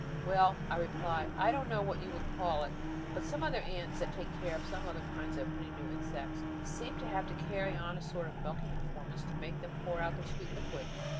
"Well," I reply, "I don't know what you would call it, but some other ants that take care of some other kinds of honey dew insects seem to have to carry on a sort of milking performance to make them pour out their sweet liquid.